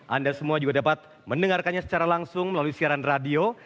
anda semua juga dapat mendengarkannya secara langsung melalui siaran radio